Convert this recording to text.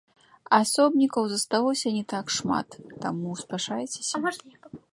Асобнікаў засталося не так шмат, таму спяшайцеся!